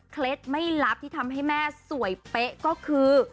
ไม่ลับที่ทำให้แม่สวยเป๊ะก็คือ